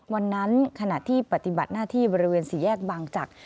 วันนั้นขณะที่ปฏิบัติหน้าที่บรรยาเวียนศรีแยกบังจักร